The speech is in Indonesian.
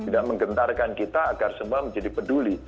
dan menggentarkan kita agar semua menjadi peduli